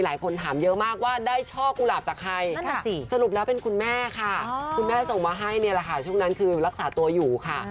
หลายคนถามเยอะมากว่าได้ช่อกุหลับจากใครเป็นคุณแม่ค่ะลักษะกลุ่มนั่นคุณก็ให้กันค่ะ